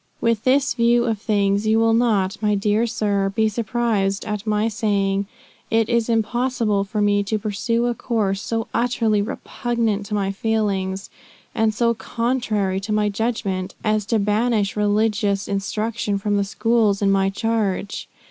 "With this view of things, you will not, my dear sir, be surprised at my saying, it is impossible for me to pursue a course so utterly repugnant to my feelings, and so contrary to my judgment, as to banish religious instruction from the schools in my charge.